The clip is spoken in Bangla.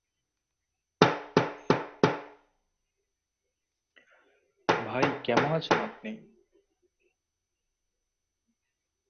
এই দলের প্রধান কার্যালয় আয়ারল্যান্ডের রাজধানী ডাবলিনে অবস্থিত।